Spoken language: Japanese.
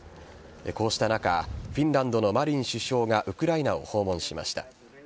こうした中フィンランドのマリン首相がウクライナを訪問しました。